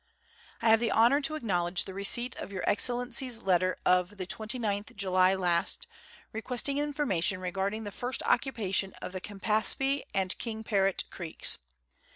I have the honour to acknowledge the receipt of Your Excel lency's letter of the 29th July last, requesting information regarding the first occupation of the Campaspe and King Parrot creeks.